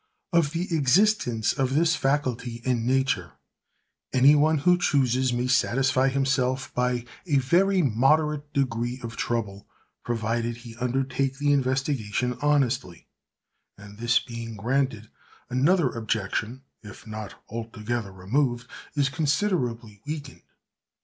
Of the existence of this faculty in nature, any one, who chooses, may satisfy himself by a very moderate degree of trouble, provided he undertake the investigation honestly; and this being granted, another objection, if not altogether removed, is considerably weakened.